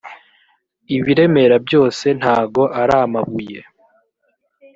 ibiremera byose ntago aramabuye.